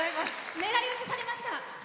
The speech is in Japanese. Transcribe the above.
狙いうちされました。